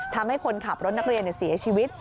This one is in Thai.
ทำให้คนขับรถนักเรียนเสียชีวิต